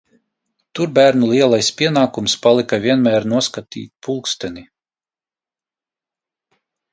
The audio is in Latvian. Tur bērnu lielais pienākums palika vienmēr noskatīt pulksteni.